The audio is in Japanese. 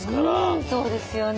うんそうですよね。